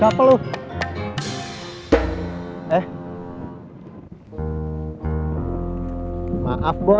gara gara apa nih ini